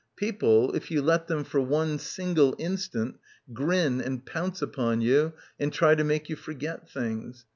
People, if you let them for one single instant, grin and pounce upon you and try to make you forget things.